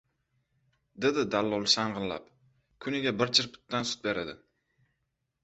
— dedi dallol shang‘illab. — Kuniga bir chirpitdan sut beradi.